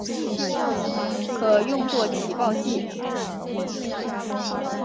可用作起爆剂。